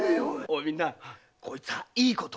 みんなこいつはいいことを聞いたな。